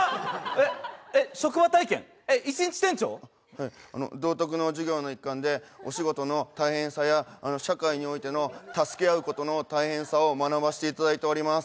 はい、道徳の授業の一環で、お仕事の大変さや、社会においての助け合うことの大変さを学ばせていただいております。